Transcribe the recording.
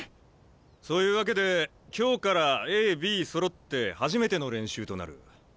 そういうわけで今日からＡＢそろって初めての練習となる。